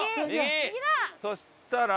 そしたら？